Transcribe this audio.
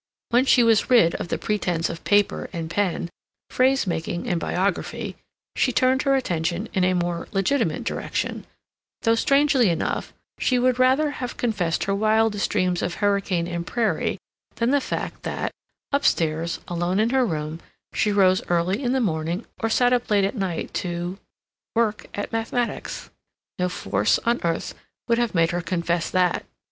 When she was rid of the pretense of paper and pen, phrase making and biography, she turned her attention in a more legitimate direction, though, strangely enough, she would rather have confessed her wildest dreams of hurricane and prairie than the fact that, upstairs, alone in her room, she rose early in the morning or sat up late at night to... work at mathematics. No force on earth would have made her confess that.